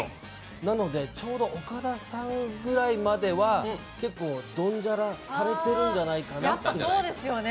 なので、ちょうど岡田さんぐらいまでは結構ドンジャラされてるんじゃないかなって。やっぱそうですよね。